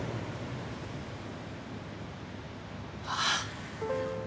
ああ。